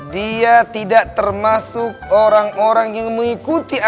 dia tidak termasuk orang orang yang mengikuti aturan